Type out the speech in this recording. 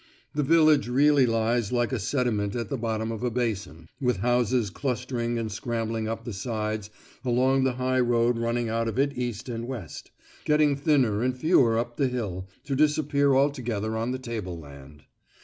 The village really lies like a sediment at the bottom of a basin, with houses clustering and scrambling up the sides along the high road running out of it east and west, getting thinner and fewer up the hill, to disappear altogether on the tableland.